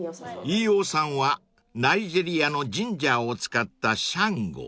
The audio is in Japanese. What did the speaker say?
［飯尾さんはナイジェリアのジンジャーを使ったＳｈａｎｇｏ］